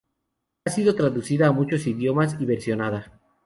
Ha sido traducida a muchos idiomas y versionada.